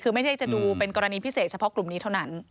คือไม่ใช่จะดูเป็นกรณีพิเศษเฉพาะกลุ่มนี้เท่านั้น